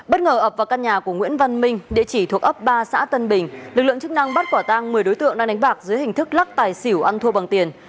bất ngờ ập vào căn nhà của nguyễn văn minh địa chỉ thuộc ấp ba xã tân bình lực lượng chức năng bắt quả tang một mươi đối tượng đang đánh bạc dưới hình thức lắc tài xỉu ăn thua bằng tiền